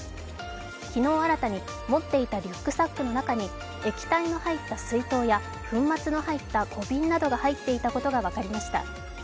昨日新たに持っていたリュックサックの中に液体の入った水筒や粉末の入った小瓶などか入っていたことが分かりました。